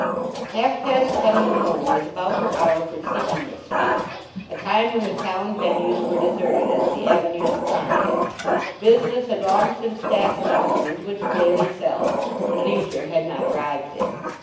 Half past ten in the morning was about her hour for seeking this spot—a time when the town avenues were deserted as the avenues of Karnac. Business had long since passed down them into its daily cells, and Leisure had not arrived there.